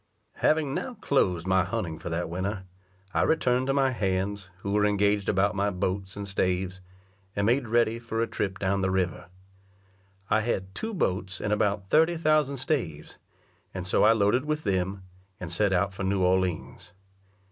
Having now closed my hunting for that winter, I returned to my hands, who were engaged about my boats and staves, and made ready for a trip down the river. I had two boats and about thirty thousand staves, and so I loaded with them, and set out for New Orleans.